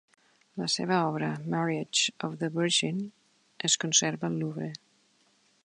La seva obra "Marriage of the Virgin" es conserva al Louvre.